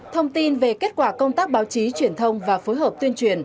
thông tin về kết quả công tác báo chí truyền thông và phối hợp tuyên truyền